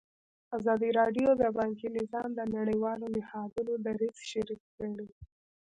ازادي راډیو د بانکي نظام د نړیوالو نهادونو دریځ شریک کړی.